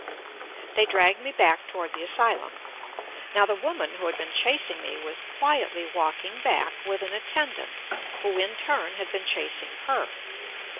They dragged me back toward the asylum. Now the woman who had been chasing me was quietly walking back with an attendant who in turn had been chasing her.